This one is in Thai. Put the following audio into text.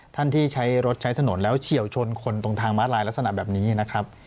ที่ใช้รถใช้ถนนแล้วเฉียวชนคนตรงทางม้าลายลักษณะแบบนี้นะครับ